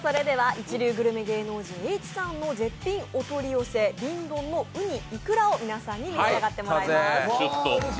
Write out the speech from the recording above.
一流グルメ芸能人・Ｈさんの絶品お取り寄せ、瓶ドンのウニイクラを皆さんに召し上がっていただきます。